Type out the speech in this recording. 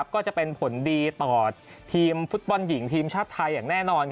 ก็จะเป็นผลดีต่อทีมฟุตบอลหญิงทีมชาติไทยอย่างแน่นอน